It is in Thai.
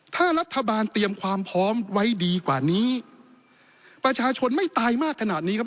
ถ้ารัฐบาลเตรียมความพร้อมไว้ดีกว่านี้ประชาชนไม่ตายมากขนาดนี้ครับ